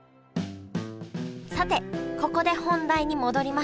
さてここで本題に戻りましょう戻ろう。